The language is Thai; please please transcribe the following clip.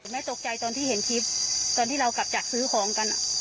แม่ตกใจตอนที่เห็นคลิปตอนที่เรากลับจากซื้อของกัน